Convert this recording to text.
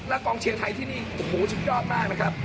และกองเชียร์ไทยที่นี่โอ้โหสุดยอดมากนะครับ